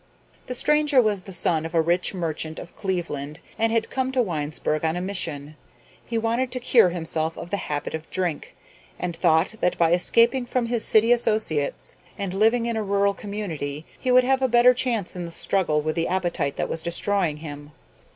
The stranger was the son of a rich merchant of Cleveland and had come to Winesburg on a mission. He wanted to cure himself of the habit of drink, and thought that by escaping from his city associates and living in a rural community he would have a better chance in the struggle with the appetite that was destroying him.